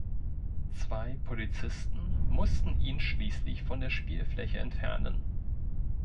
Zwei Polizisten mussten ihn schließlich von der Spielfläche entfernen.